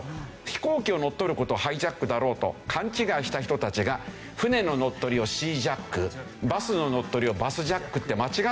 飛行機を乗っ取る事をハイジャックだろうと勘違いした人たちが船の乗っ取りをシージャックバスの乗っ取りをバスジャックって間違って呼んだんですよ。